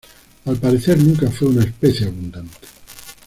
Al parecer nunca fue una especie abundante.